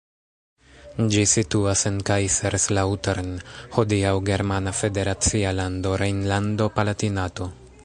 Ĝi situas en Kaiserslautern, hodiaŭ germana federacia lando Rejnlando-Palatinato.